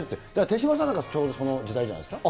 手嶋さんなんか、ちょうどその時代じゃないですか。